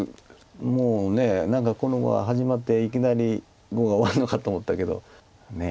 もう何かこの碁は始まっていきなり碁が終わるのかと思ったけどねえ。